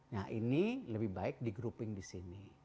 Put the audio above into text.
nah ini lebih baik di grouping disini